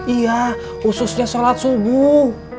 iya ususnya sholat subuh